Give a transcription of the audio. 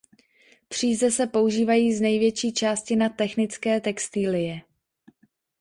Příze se používají z největší části na technické textilie.